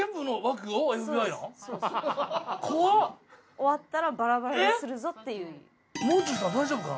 終わったらバラバラにするぞっていう。